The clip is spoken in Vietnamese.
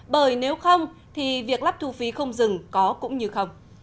bởi nếu không thì việc lắp thu phí không dừng có cũng như không